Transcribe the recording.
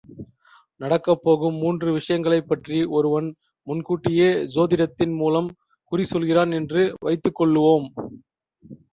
நடக்கப் போகும் மூன்று விஷயங்களைப் பற்றி ஒருவன் முன்கூட்டியே சோதிடத்தின் மூலம் குறி சொல்கிறான் என்று வைத்துக் கொள்ளுவோம்.